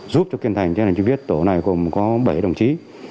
giúp cho kiên thành truy vết tổ này cùng có bảy đồng chí